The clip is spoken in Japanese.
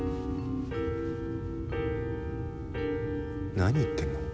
何言ってんの？